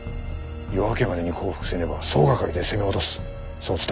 夜明けまでに降伏せねば総掛かりで攻め落とすそう伝えます。